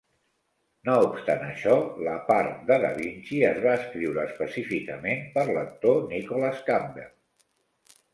No obstant això, la part de Da Vinci es va escriure específicament per l'actor Nicholas Campbell.